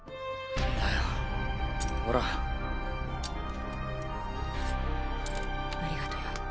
んだよほら。ありがとよ。